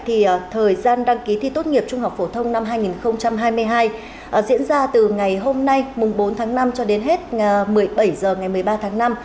thì thời gian đăng ký thi tốt nghiệp trung học phổ thông năm hai nghìn hai mươi hai diễn ra từ ngày hôm nay mùng bốn tháng năm cho đến hết một mươi bảy h ngày một mươi ba tháng năm